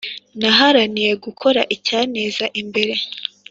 naharaniye gukora icyaneza imbere